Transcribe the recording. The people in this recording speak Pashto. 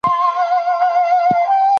مینه ماشوم روزي.